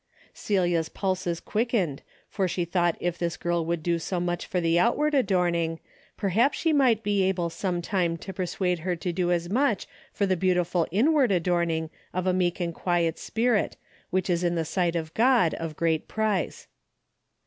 Celia's pulses quickened, for she thought if this girl would do so much for the outward adorning, perhaps she might be able some time to persuade her to do as much for the beautiful inward adorning of a meek and quiet spirit which is in the sight of God of great price.